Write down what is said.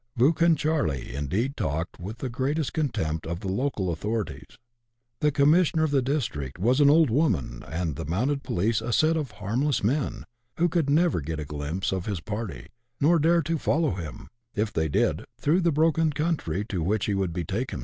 *' Buchan Charley " indeed talked with the greatest contempt of the local authorities : the commissioner of the district was an *' old woman," and the mounted police a set of " harmless men," who could never get a glimpse of his party, nor dare to follow him, if they did, through the broken country to which he would betake himself.